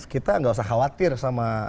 kita nggak usah khawatir sama